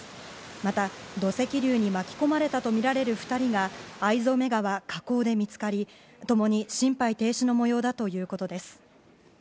また、土石流に巻き込まれたと見られる２人があいぞめ川河口で見つかり、ともに心肺停止のもようだということです。